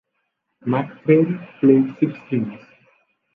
McCrary played six games.